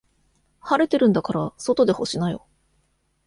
晴れてるんだから外で干しなよ。